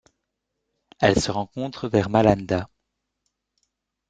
Elle se rencontre vers Malanda.